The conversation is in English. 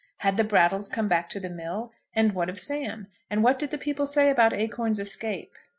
Had the Brattles come back to the mill? And what of Sam? And what did the people say about Acorn's escape?